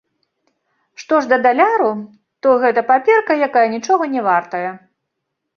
Што ж да даляру, то гэта паперка, якая нічога не вартая.